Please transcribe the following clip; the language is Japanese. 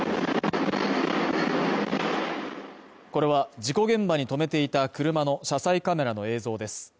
これは、事故現場に止めていた車の車載カメラの映像です。